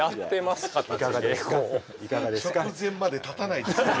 直前まで立たないですね。